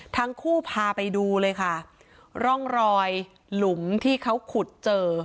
ทั้งคู่พาไปดูเลยค่ะร่องรอยหลุมที่เขาขุดเจอ